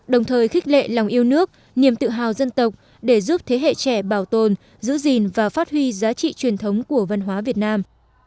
đồng thời khích lệ lòng yêu nước niềm tự hào dân tộc để giúp thế hệ trẻ bảo tồn giữ gìn và phát huy giá trị truyền thống của văn hóa việt nam